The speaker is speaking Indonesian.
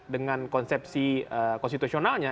dengan konsepsi konstitusionalnya